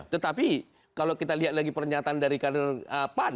tetapi kalau kita lihat lagi pernyataan dari kader pan